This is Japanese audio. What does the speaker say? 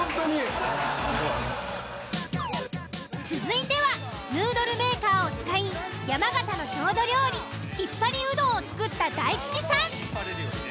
続いてはヌードルメーカーを使い山形の郷土料理ひっぱりうどんを作った大吉さん。